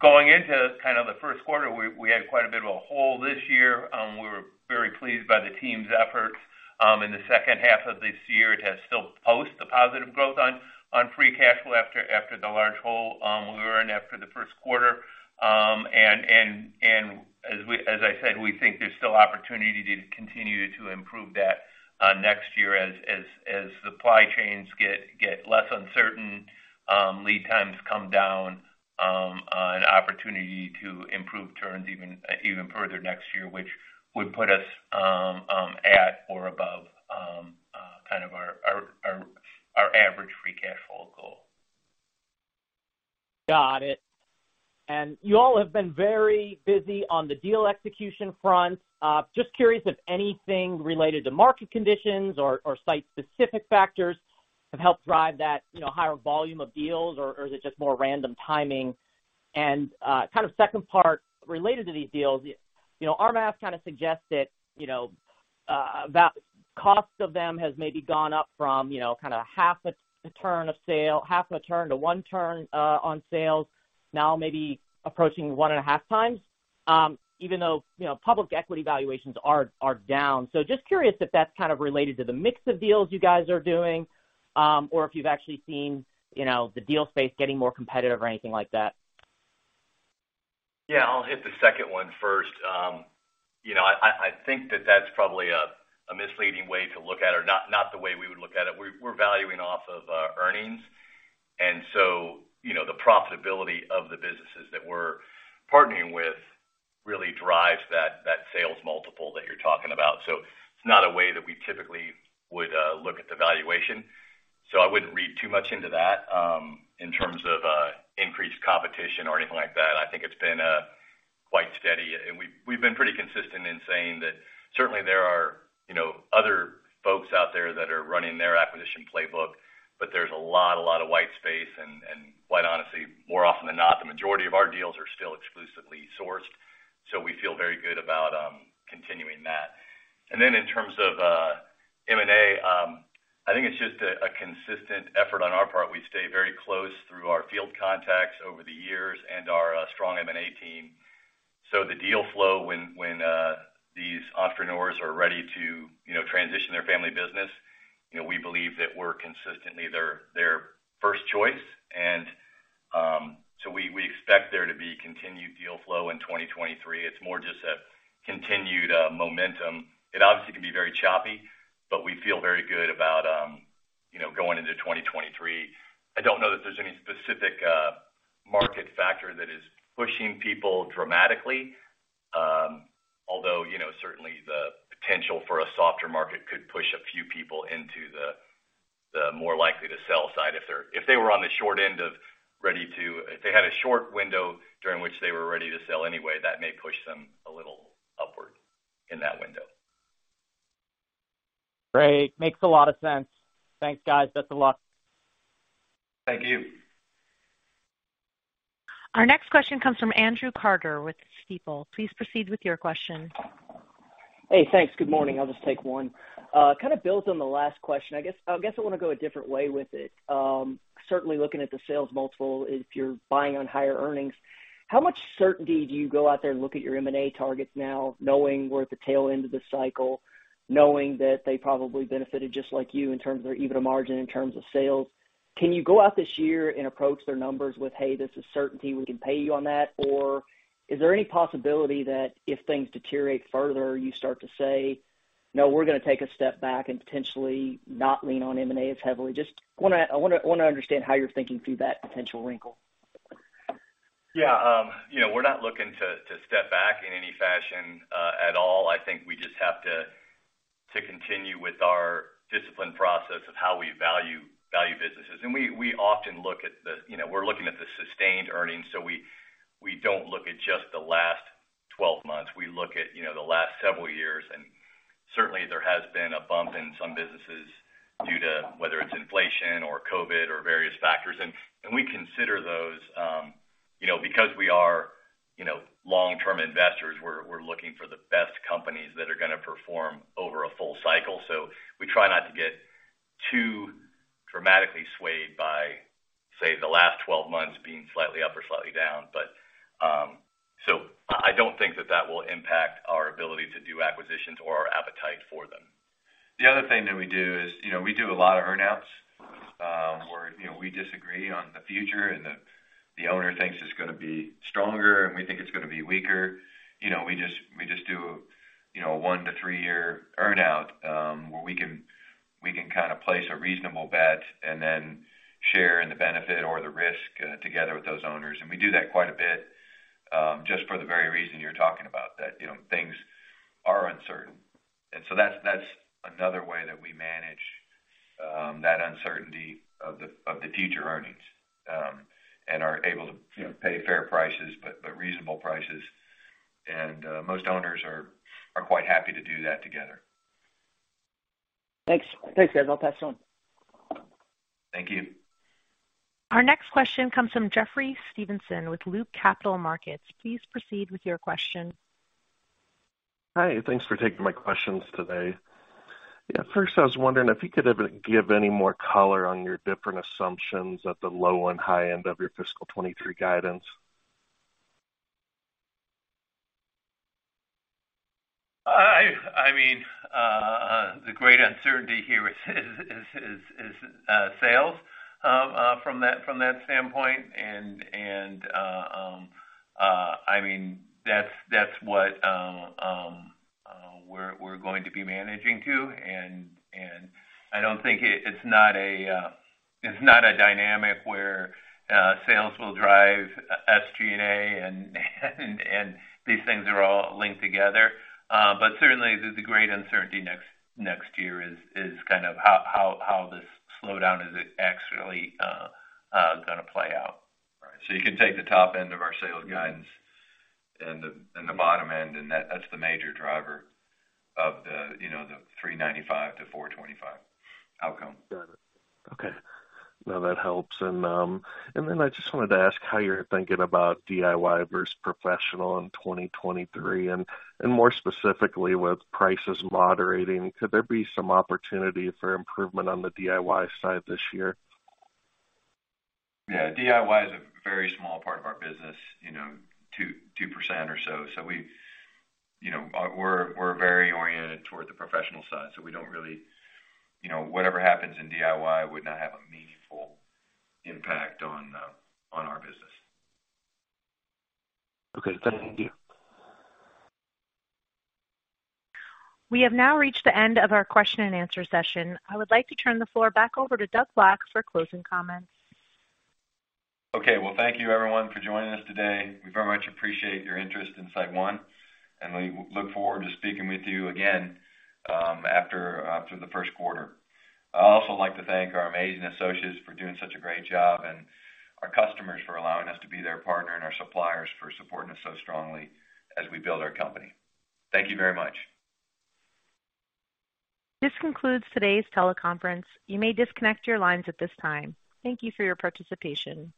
going into kind of the first quarter, we had quite a bit of a hole this year. We were very pleased by the team's effort. In the second half of this year, it has still post the positive growth on free cash flow after the large hole we were in after the first quarter. As I said, we think there's still opportunity to continue to improve that next year as supply chains get less uncertain, lead times come down, an opportunity to improve turns further next year, which would put us at or above kind of our average free cash flow goal. Got it. You all have been very busy on the deal execution front. Just curious if anything related to market conditions or is it just more random timing? Kind of second part related to these deals, you know, R&U kind of suggests that, you know, that cost of them has maybe gone up from, you know, kind of half a turn of sale, half a turn to one turn on sales. Now, maybe approaching 1.5x, even though, you know, public equity valuations are down. Just curious if that's kind of related to the mix of deals you guys are doing, or if you've actually seen, you know, the deal space getting more competitive or anything like that. Yeah, I'll hit the second one first. You know, I think that that's probably a misleading way to look at or not the way we would look at it. We're valuing off of earnings. You know, the profitability of the businesses that we're partnering with really drives that sales multiple that you're talking about. It's not a way that we typically would look at the valuation. I wouldn't read too much into that, in terms of increased competition or anything like that. I think it's been quite steady. We've been pretty consistent in saying that certainly there are, you know, other folks out there that are running their acquisition playbook, but there's a lot of white space. Quite honestly, more often than not, the majority of our deals are still exclusively sourced. We feel very good about continuing that. Then in terms of M&A, I think it's just a consistent effort on our part. We stay very close through our field contacts over the years and our strong M&A team. The deal flow when these entrepreneurs are ready to, you know, transition their family business, you know, we believe that we're consistently their first choice. We, we expect there to be continued deal flow in 2023. It's more just a continued momentum. It obviously can be very choppy, but we feel very good about, you know, going into 2023. I don't know that there's any specific market factor that is pushing people dramatically. Although, you know, certainly the potential for a softer market could push a few people into the more likely to sell side. If they were on the short end of a short window during which they were ready to sell anyway, that may push them a little upward in that window. Great. Makes a lot of sense. Thanks, guys. Best of luck. Thank you. Our next question comes from Andrew Carter with Stifel. Please proceed with your question. Hey, thanks. Good morning. I'll just take one. kind of builds on the last question, I guess I wanna go a different way with it. Certainly looking at the sales multiple, if you're buying on higher earnings, how much certainty do you go out there and look at your M&A targets now, knowing we're at the tail end of the cycle, knowing that they probably benefited just like you in terms of their EBITDA margin, in terms of sales? Can you go out this year and approach their numbers with, "Hey, this is certainty we can pay you on that?" Or is there any possibility that if things deteriorate further, you start to say, No, we're gonna take a step back and potentially not lean on M&A as heavily. Just I wanna understand how you're thinking through that potential wrinkle. Yeah. You know, we're not looking to step back in any fashion at all. I think we just have to continue with our discipline process of how we value businesses. We often look at the... You know, we're looking at the sustained earnings, so we don't look at just the last 12 months. We look at, you know, the last several years, and certainly there has been a bump in some businesses due to whether it's inflation or COVID or various factors. We consider those, you know, because we are, you know, long-term investors, we're looking for the best companies that are gonna perform over a full cycle. We try not to get too dramatically swayed by, say, the last 12 months being slightly up or slightly down. I don't think that that will impact our ability to do acquisitions or our appetite for them. The other thing that we do is, you know, we do a lot of earn-outs, where, you know, we disagree on the future and the owner thinks it's gonna be stronger and we think it's gonna be weaker. You know, we just, we just do, you know, a 1-3 year earn-out, where we can, we can kinda place a reasonable bet and then share in the benefit or the risk together with those owners. We do that quite a bit, just for the very reason you're talking about, that, you know, things are uncertain. That's another way that we manage that uncertainty of the future earnings, and are able to, you know, pay fair prices, but reasonable prices. Most owners are quite happy to do that together. Thanks. Thanks, guys. I'll pass it on. Thank you. Our next question comes from Jeffrey Stevenson with Loop Capital Markets. Please proceed with your question. Hi. Thanks for taking my questions today. Yeah, first I was wondering if you could give any more color on your different assumptions at the low and high end of your fiscal 2023 guidance. I mean, the great uncertainty here is sales from that standpoint. I mean, that's what we're going to be managing to. I don't think it's not a dynamic where sales will drive SG&A and these things are all linked together. But certainly the great uncertainty next year is kind of how this slowdown is actually gonna play out, right? You can take the top end of our sales guidance and the bottom end, and that's the major driver of the, you know, the $395-$425 outcome. Got it. Okay. No, that helps. Then I just wanted to ask how you're thinking about DIY versus professional in 2023. More specifically, with prices moderating, could there be some opportunity for improvement on the DIY side this year? DIY is a very small part of our business. You know, 2% or so. You know, we're very oriented toward the professional side, we don't really. You know, whatever happens in DIY would not have a meaningful impact on our business. Okay, thank you. We have now reached the end of our question and answer session. I would like to turn the floor back over to Doug Black for closing comments. Okay. Well, thank you everyone for joining us today. We very much appreciate your interest in SiteOne, and we look forward to speaking with you again after through the first quarter. I'd also like to thank our amazing associates for doing such a great job and our customers for allowing us to be their partner and our suppliers for supporting us so strongly as we build our company. Thank you very much. This concludes today's teleconference. You may disconnect your lines at this time. Thank you for your participation.